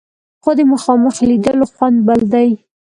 خو د مخامخ لیدلو خوند بل دی.